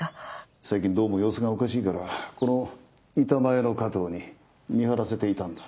最近どうも様子がおかしいからこの板前の加藤に見張らせていたんだ。